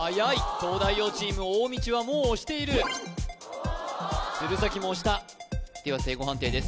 東大王チーム大道はもう押している鶴崎も押したでは正誤判定です